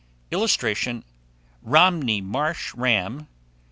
[Illustration: ROMNEY MARSH RAM.